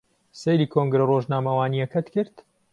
سەیری کۆنگرە ڕۆژنامەوانییەکەت کرد؟